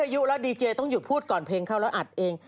อายุแล้วดีเจต้องหยุดพูดก่อนเพลงเข้าแล้วอัดเอง